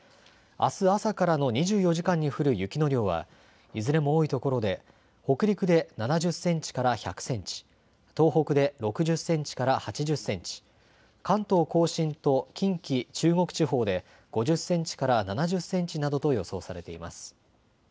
あす朝からの２４時間に降る雪の量はいずれも多いところで北陸で７０センチから１００センチ、東北で６０センチから８０センチ、関東甲信と近畿、中国地方で５０センチから７０センチなどと予想されています。